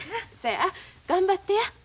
そうや頑張ってや。